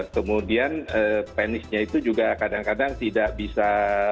kemudian penisnya itu juga kadang kadang tidak bisa